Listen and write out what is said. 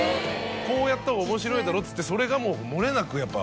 「こうやったほうが面白いだろ」っつってそれがもう。